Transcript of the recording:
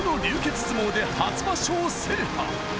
相撲で初場所を制覇。